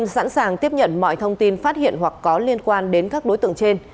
và tiếp nhận mọi thông tin phát hiện hoặc có liên quan đến các đối tượng trên